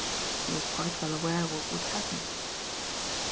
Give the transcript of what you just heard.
He was quite well aware what would happen!